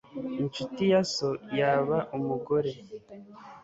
Inshuti ya so yaba umugore